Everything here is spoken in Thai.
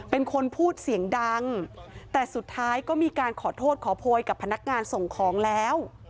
เป็นคนพูดเสียงดังแต่สุดท้ายก็มีการขอโทษขอโพยกับพนักงานส่งของแล้ว